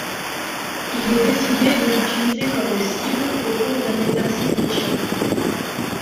Il est décidé de l'utiliser comme cible au cours d'un exercice de tir.